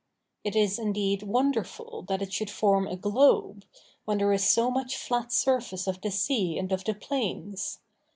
It is indeed wonderful that it should form a globe, when there is so much flat surface of the sea and of the plains.